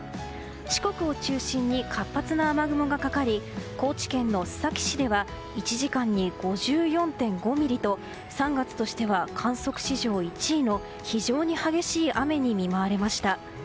四国を中心に活発な雨雲がかかり高知県の須崎市では１時間に５４．５ミリと３月としては観測史上１位の非常に激しい雨に見舞われました。